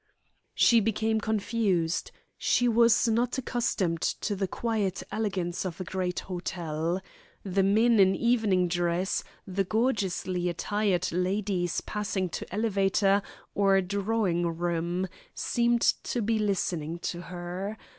She became confused. She was not accustomed to the quiet elegance of a great hotel. The men in evening dress, the gorgeously attired ladies passing to elevator or drawing room, seemed to be listening to her.